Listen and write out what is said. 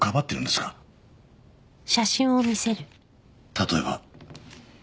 例えば。